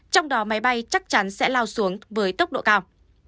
trong đó máy bay chắc chắn sẽ lao xuống với tốc độ cao